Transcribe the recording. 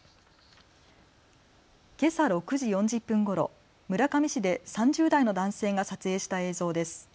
今朝６時４０分ごろ村上市で３０代の男性が撮影した映像です。